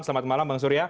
selamat malam bang surya